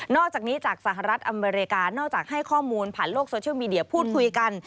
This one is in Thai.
อกจากนี้จากสหรัฐอเมริกานอกจากให้ข้อมูลผ่านโลกโซเชียลมีเดียพูดคุยกัน